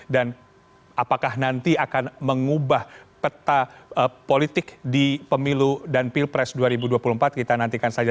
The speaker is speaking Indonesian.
dan apakah nanti akan mengubah peta politik di pemilu dan pilpres dua ribu dua puluh empat kita nantikan saja